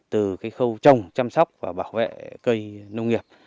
từ khâu trồng chăm sóc và bảo vệ cây nông nghiệp